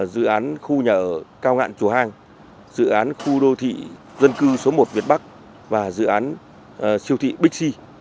dự án khu nhà ở cao ngạn chùa hàng dự án khu đô thị dân cư số một việt bắc và dự án siêu thị bixi